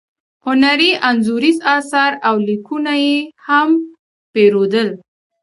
هنري انځوریز اثار او لیکونه یې هم پیرودل.